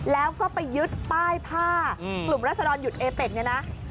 แล้วก็ไปยึดป้ายผ้ากลุ่มรัศดรหยุดเอเป็กเนี่ยนะ